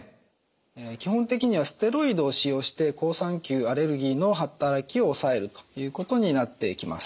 基本的にはステロイドを使用して好酸球アレルギーの働きを抑えるということになっていきます。